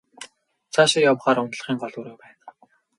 Цаашаа явахаар унтлагын гол өрөө байна.